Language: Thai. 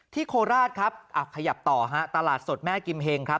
โคราชครับขยับต่อฮะตลาดสดแม่กิมเฮงครับ